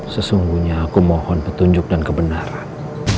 sesungguhnya aku mohon petunjuk dan kebenaran